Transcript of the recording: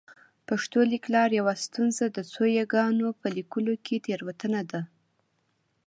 پښتو لیکلار یوه ستونزه د څو یاګانو په لیکلو کې تېروتنه ده